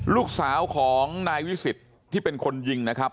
ลูกสาวของนายวิสิทธิ์ที่เป็นคนยิงนะครับ